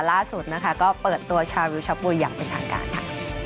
ล่าสุดนะคะก็เปิดตัวชาววิวชะปุยอย่างเป็นทางการค่ะ